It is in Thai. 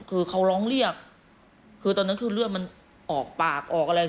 คือเขาร้องเรียกคือตอนนั้นคือเลือดมันออกปากออกอะไร